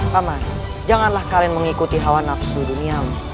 paman janganlah kalian mengikuti hawa nafsu dunia